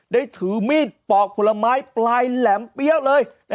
ถือมีดปอกผลไม้ปลายแหลมเปี้ยวเลย